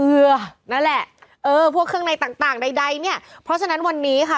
นั่นแหละเออพวกเครื่องในต่างต่างใดใดเนี่ยเพราะฉะนั้นวันนี้ค่ะ